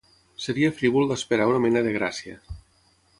Seria frívol d’esperar una mena de “gràcia”.